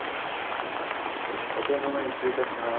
お顔の前に失礼いたします。